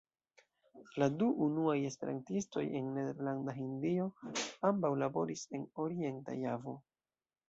La du unuaj esperantistoj en Nederlanda Hindio ambaŭ laboris en Orienta Javo.